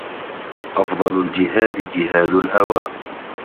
أَفْضَلُ الْجِهَادِ جِهَادُ الْهَوَى